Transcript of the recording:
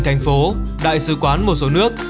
thành phố đại sứ quán một số nước